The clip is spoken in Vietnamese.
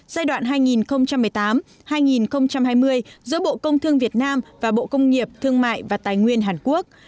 giai đoạn hai nghìn một mươi tám hai nghìn hai mươi giữa bộ công thương việt nam và bộ công nghiệp thương mại và tài nguyên hàn quốc